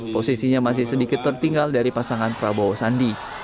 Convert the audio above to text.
posisinya masih sedikit tertinggal dari pasangan prabowo sandi